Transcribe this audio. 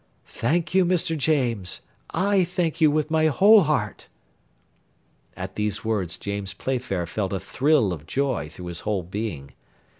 "Thank you, Mr. James; I thank you with my whole heart." At these words James Playfair felt a thrill of joy through his whole being.